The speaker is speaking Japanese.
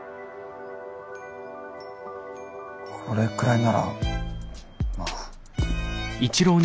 これくらいならまあ。